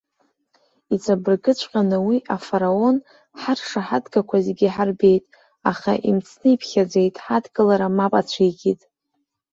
Иҵабыргыҵәҟьаны уи Афараон, ҳаршаҳаҭгақәа зегьы иҳарбеит, аха имцны иԥхьаӡеит, ҳадкылара мап ацәикит.